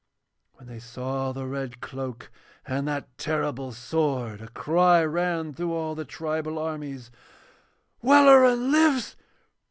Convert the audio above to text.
When they saw the red cloak and that terrible sword a cry ran through the tribal armies, 'Welleran lives!'